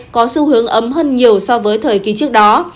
có xu hướng ấm hơn nhiều so với thời kỳ trước đó